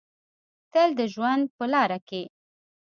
تل د ژوند په لاره کې